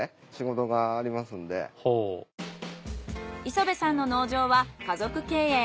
磯部さんの農場は家族経営。